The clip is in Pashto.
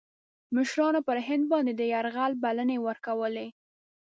مشـرانو پر هند باندي د یرغل بلني ورکولې.